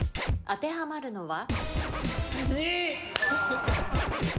当てはまるのは？